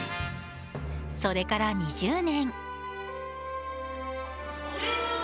それから２０年。